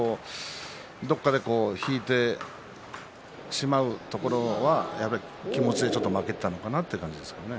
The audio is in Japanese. どこかで引いてしまうところは気持ちでやっぱり負けていたのかなと思いますね。